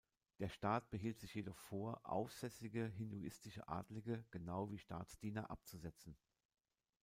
Der Staat behielt sich jedoch vor, aufsässige hinduistische Adlige genau wie Staatsdiener abzusetzen.